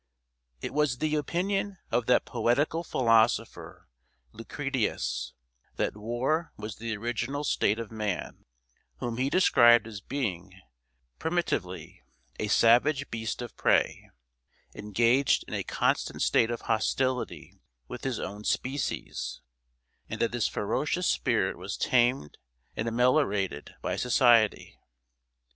It was the opinion of that poetical philosopher, Lucretius, that war was the original state of man, whom he described as being, primitively, a savage beast of prey, engaged in a constant state of hostility with his own species, and that this ferocious spirit was tamed and ameliorated by society.